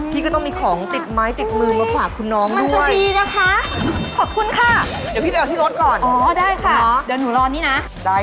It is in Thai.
พี่ก็ต้องมีของติดไม้ติดมือมาฝากคุณน้อง